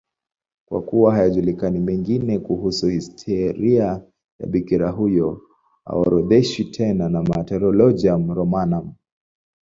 Kwa kuwa hayajulikani mengine kuhusu historia ya bikira huyo, haorodheshwi tena na Martyrologium Romanum.